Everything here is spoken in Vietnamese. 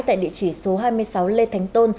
tại địa chỉ số hai mươi sáu lê thánh tôn